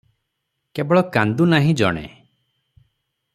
କେବଳ କାନ୍ଦୁ ନାହିଁ ଜଣେ ।